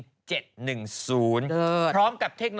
ปล่อยให้เบลล่าว่าง